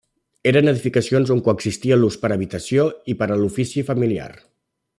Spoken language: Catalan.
Eren edificacions on coexistia l'ús per a habitació i per a l'ofici familiar.